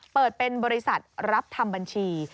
เปิดเป็นบริษัทรับทำบัญชี